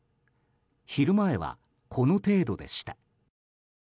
昼前は、この程度でした。